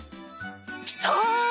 きた！